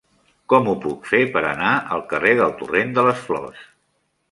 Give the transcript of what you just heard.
Com ho puc fer per anar al carrer del Torrent de les Flors?